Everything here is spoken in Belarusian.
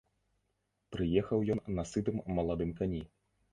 Прыехаў ён на сытым маладым кані.